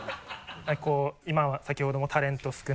こう今先ほどもタレント少ない。